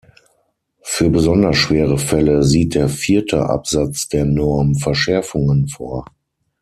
Für besonders schwere Fälle sieht der vierte Absatz der Norm Verschärfungen vor.